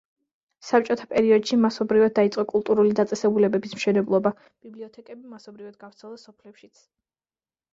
საბჭოთა პერიოდში მასობრივად დაიწყო კულტურული დაწესებულებების მშენებლობა, ბიბლიოთეკები მასობრივად გავრცელდა სოფლებშიც.